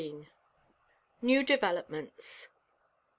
] NEW DEVELOPMENTS.